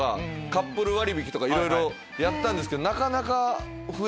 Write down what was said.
カップル割引とかいろいろやったんですけど。